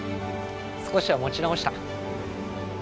少しは持ち直した？